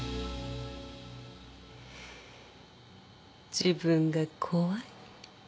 自分が怖い。